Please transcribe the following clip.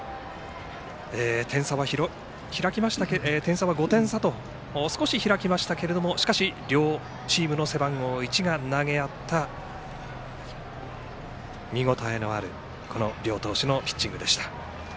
点差は５点差と少し開きましたけれども両チームの背番号１が投げ合った、見応えのある両投手のピッチングでした。